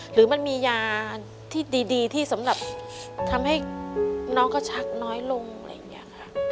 หรือมันมียาที่ดีที่สำหรับทำให้น้องก็ชักน้อยลงอะไรอย่างนี้ค่ะ